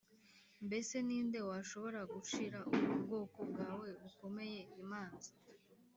Mbese ni nde washobora gucira ubu bwoko bwawe bukomeye imanza?”